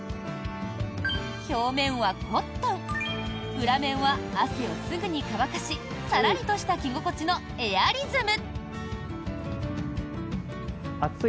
表面はコットン裏面は汗をすぐに乾かしさらりとした着心地のエアリズム。